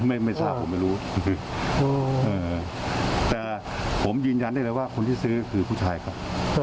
ไม่ไม่ทราบผมไม่รู้แต่ผมยืนยันได้เลยว่าคนที่ซื้อคือผู้ชายครับ